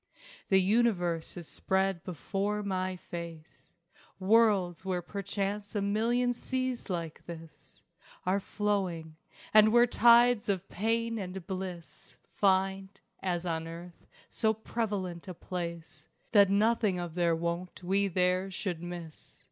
The universe is spread before my face, Worlds where perchance a million seas like this Are flowing and where tides of pain and bliss Find, as on earth, so prevalent a place That nothing of their wont we there should miss.